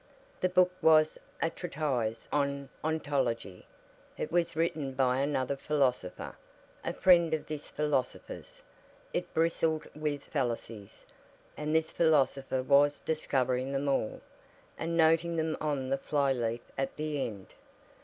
The book was a treatise on ontology; it was written by another philosopher, a friend of this philosopher's; it bristled with fallacies, and this philosopher was discovering them all, and noting them on the fly leaf at the end.